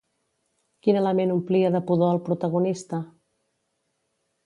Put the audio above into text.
Quin element omplia de pudor al protagonista?